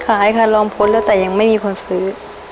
ขายค่ะลองพ้นแล้วแต่ยังไม่มีคนซื้อ